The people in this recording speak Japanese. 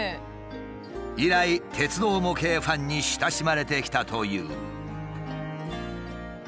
以来鉄道模型ファンに親しまれてきたという。